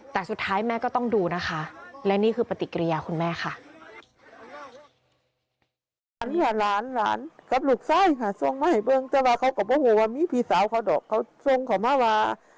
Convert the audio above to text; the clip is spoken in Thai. แต่สุดท้ายแม่ก็ต้องดูนะคะและนี่คือปฏิกิริยาคุณแม่ค่ะ